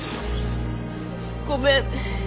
ごめん。